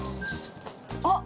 あっ！